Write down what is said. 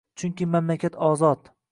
Chunki mamlakat ozod